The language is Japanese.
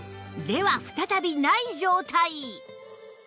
では再びない状態